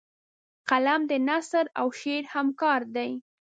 قلم د نثر او شعر همکار دی